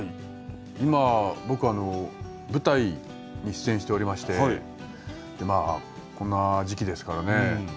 今僕舞台に出演しておりましてこんな時期ですからね